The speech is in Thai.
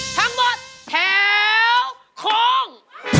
ทั้งหมดแถวโค้ง